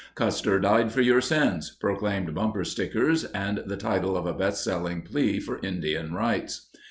"Custer died for your sins," proclaimed bumper stickers and the title of a best selling plea for Indian rights.